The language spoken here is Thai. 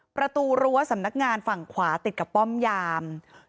ประตูรั้วสำนักงานฝั่งขวาติดกับป้อมยาม